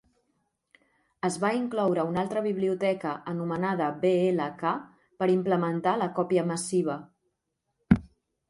Es va incloure una altra biblioteca anomenada blk per implementar la còpia massiva.